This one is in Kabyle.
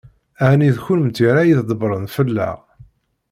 Ɛni d kennemti ara ydebbṛen fell-aɣ?